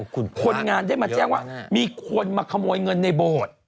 คนงานได้มาแจ้งว่ามีคนมาขโมยเงินในโบสถ์